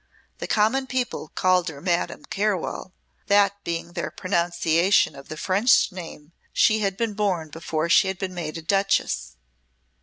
The common people called her "Madame Carwell," that being their pronunciation of the French name she had borne before she had been made a Duchess.